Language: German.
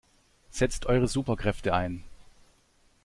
Setzt eure Superkräfte ein!